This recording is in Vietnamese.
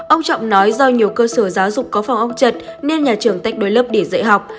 ông trọng nói do nhiều cơ sở giáo dục có phòng ong chật nên nhà trường tách đôi lớp để dạy học